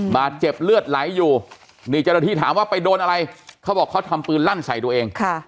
บาดเจ็บเลือดไหลอยู่นี่เจ้าหน้าที่ถามว่าไปโดนอะไรเขาบอกเขาทำปืนลั่นใส่ตัวเอง